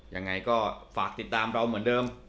ยังไงก็ฝากติดตามเราเหมือนเดิม